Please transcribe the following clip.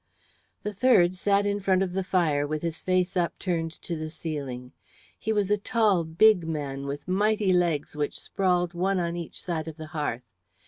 The third sat in front of the fire with his face upturned to the ceiling. He was a tall, big man with mighty legs which sprawled one on each side of the hearth.